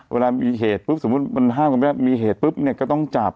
เวลามีเหตุปุ๊บสมมุติมันห้ามกันไม่ได้มีเหตุปุ๊บเนี่ยก็ต้องจับ